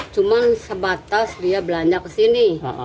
cuma sebatas dia belanja ke sini